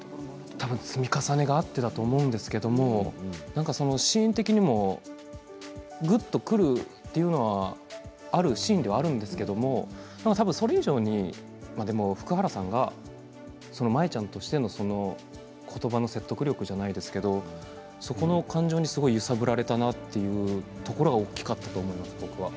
積み重ねがあったからだと思うんですけれどシーン的にも、ぐっとくるものがあるシーンではあるんですけれどそれ以上に福原さんが舞ちゃんとしての言葉の説得力じゃないですけどその感情にすごく揺さぶられたなというところは大きかったと思います。